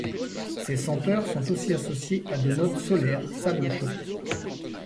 Ces senteurs sont aussi associées à de notes solaire, sable chaud.